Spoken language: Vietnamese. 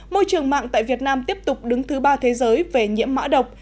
môi trường mạng tại việt nam tiếp tục đứng thứ ba thế giới về nhiễm mã độc